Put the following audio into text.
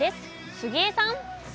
杉江さん。